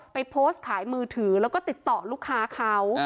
ไปโพสต์ขายมือถือแล้วก็ติดต่อลูกค้าเขา